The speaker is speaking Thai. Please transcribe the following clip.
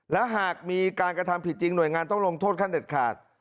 และหากมีการกระทำผิดจริงหน่วยงานต้องลงโทษขั้นเด็ดขาด